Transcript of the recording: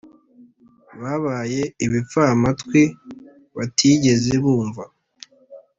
babaye ibipfamatwi batigeze bumva?